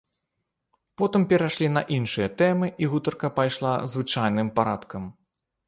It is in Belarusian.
Потым перайшлі на іншыя тэмы і гутарка пайшла звычайным парадкам.